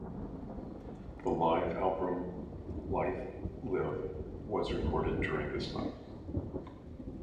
The live album "Life:Live" was recorded during this time.